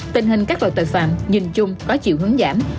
tình hình các loại tội phạm nhìn chung có chiều hướng giảm